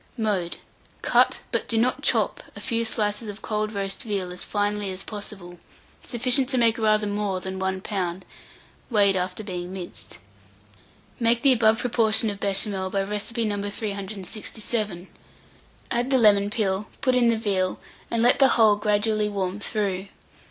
Mode. Cut but do not chop a few slices of cold roast veal as finely as possible, sufficient to make rather more than 1 lb., weighed after being minced. Make the above proportion of Béchamel, by recipe No. 367; add the lemon peel, put in the veal, and let the whole gradually warm through.